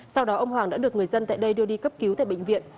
sau đó ông hoàng đã được người dân tại đây đưa đi cấp cứu tại bệnh viện